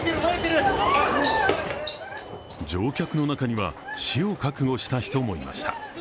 乗客の中には死を覚悟した人もいました。